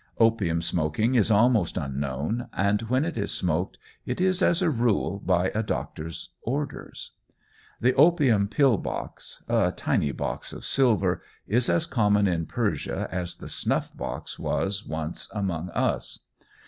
Opium smoking is almost unknown, and when it is smoked, it is, as a rule, by a doctor's orders. The opium pill box a tiny box of silver is as common in Persia as the snuff box was once with us.